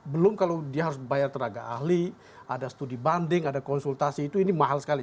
belum kalau dia harus bayar tenaga ahli ada studi banding ada konsultasi itu ini mahal sekali